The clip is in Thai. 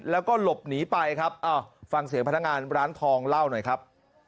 แล้วก็หลบหนีไปครับฟังเสียงพนักงานร้านทองเล่าหน่อยครับ